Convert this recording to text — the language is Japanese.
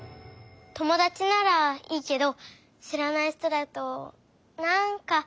ともだちならいいけどしらない人だとなんかいやかも。